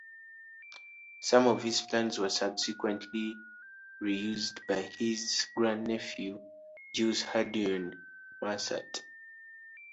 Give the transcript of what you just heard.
Some of his plans were subsequently reused by his grandnephew, Jules Hardouin Mansart.